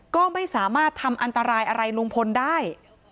ก็ไม่สามารถทำอันตรายอะไรลุงพลได้